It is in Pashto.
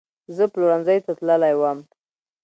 زه پلورنځۍ ته تللې وم